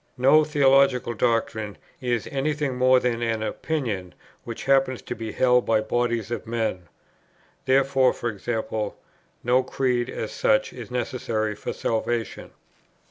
No theological doctrine is any thing more than an opinion which happens to be held by bodies of men. Therefore, e.g. no creed, as such, is necessary for salvation.